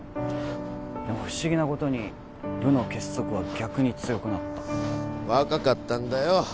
でも不思議なことに部の結束は逆に強くなった若かったんだよ